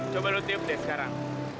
coba lu tiup deh sekarang